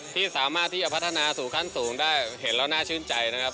ที่สามารถที่จะพัฒนาสู่ขั้นสูงได้เห็นแล้วน่าชื่นใจนะครับ